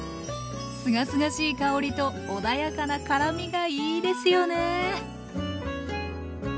すがすがしい香りと穏やかな辛みがいいですよね